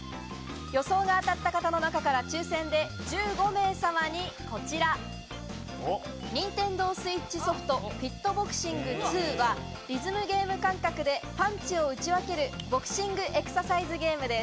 予想が当たった方の中から抽選で１５名様にこちら、ニンテンドースイッチソフト『ＦｉｔＢｏｘｉｎｇ２』はリズムゲーム感覚でパンチを打ち分けるボクシングエクササイズゲームです。